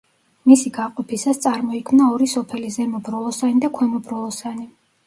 მისი გაყოფისას წარმოიქმნა ორი სოფელი ზემო ბროლოსანი და ქვემო ბროლოსანი.